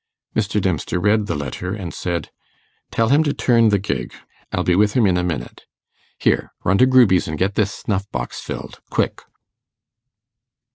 Mr. Dempster read the letter and said, 'Tell him to turn the gig I'll be with him in a minute. Here, run to Gruby's and get this snuff box filled quick!